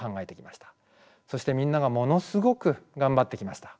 そしてみんながものすごくがんばってきました。